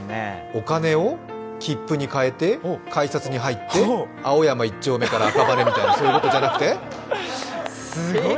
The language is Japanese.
お金を切符にかえて改札に入って青山一丁目から赤羽みたいに、そういうことでなくて？